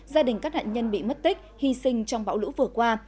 gia đình các nạn nhân bị mất tích hy sinh trong bão lũ vừa qua